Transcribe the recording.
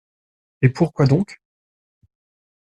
Et pourquoi donc?